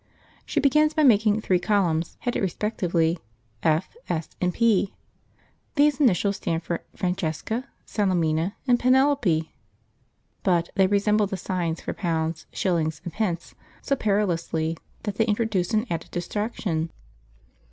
She begins by making three columns headed respectively F., S., and P. These initials stand for Francesca, Salemina, and Penelope, but they resemble the signs for pounds, shillings, and pence so perilously that they introduce an added distraction.